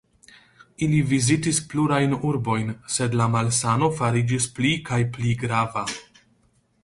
Ili vizitis plurajn urbojn, sed la malsano fariĝis pli kaj pli grava.